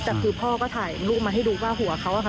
แต่คือพ่อก็ถ่ายรูปมาให้ดูว่าหัวเขาอะค่ะ